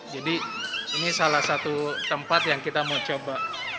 jadi ini salah satu tempat yang kita mau coba